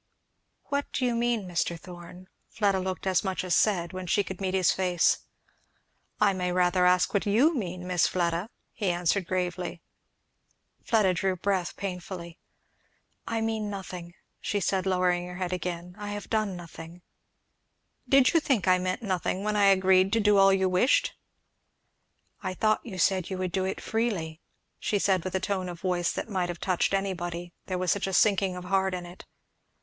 "What do you mean, Mr. Thorn?" Fleda looked as much as said, when she could meet his face. "I may rather ask you what you mean, Miss Fleda," he answered gravely. Fleda drew breath painfully. "I mean nothing," she said lowering her head again, "I have done nothing " "Did you think I meant nothing when I agreed to do all you wished?" "I thought you said you would do it freely," she said, with a tone of voice that might have touched anybody, there was such a sinking of heart in it.